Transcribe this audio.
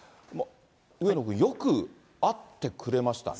上野君、よく会ってくれましたね。